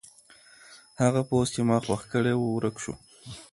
هغه پوسټ چې ما خوښ کړی و ورک شو.